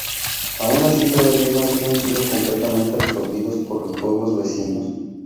Aun así, todavía no habrían sido completamente absorbidos por los pueblos vecinos.